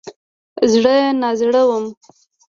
زړه نازړه وم.